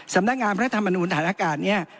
สำนักงานพระธรรมนูญฐานอากาศเนี่ย